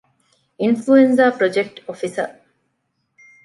އިންފުލުއެންޒާ ޕްރޮޖެކްޓް އޮފިސަރ